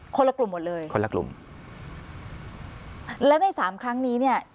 คนละกลุ่มหมดเลยคนละกลุ่มและในสามครั้งนี้เนี่ย